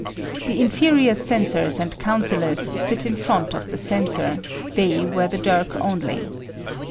The inferior censors and councillors sit in front of the censor: they wear the dirk only.